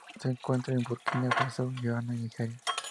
Se encuentra en Burkina Faso, Ghana y Nigeria.